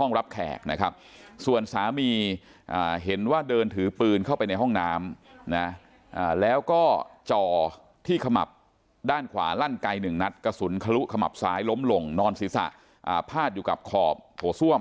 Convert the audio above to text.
ห้องรับแขกนะครับส่วนสามีเห็นว่าเดินถือปืนเข้าไปในห้องน้ำนะแล้วก็จ่อที่ขมับด้านขวาลั่นไกลหนึ่งนัดกระสุนทะลุขมับซ้ายล้มลงนอนศีรษะพาดอยู่กับขอบโถส้วม